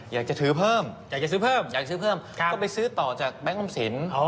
อยากจะซื้อเพิ่มก็ไปซื้อต่อจากแบงค์ออมสิน